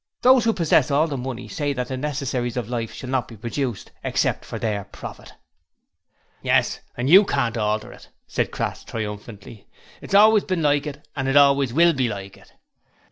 Those who possess all the money say that the necessaries of life shall not be produced except for their profit.' 'Yes! and you can't alter it,' said Crass, triumphantly. 'It's always been like it, and it always will be like it.' ''Ear!